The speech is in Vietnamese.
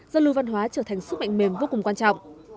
giao lưu văn hóa trở thành sức mạnh mềm vô cùng quan trọng